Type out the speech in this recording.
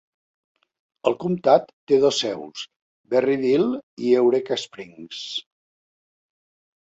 El comtat té dos seus: Berryville i Eureka Springs.